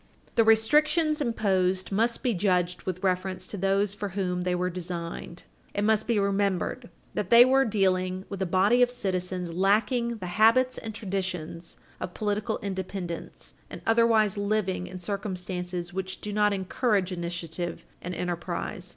The restrictions imposed must be judged with reference to those for whom they were designed. It must be remembered that we are dealing with a body of citizens lacking the habits and traditions of political independence and otherwise living in circumstances which do not encourage initiative and enterprise.